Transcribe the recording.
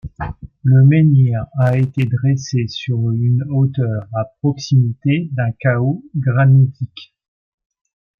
Le menhir a été dressé sur une hauteur à proximité d'un chaos granitique.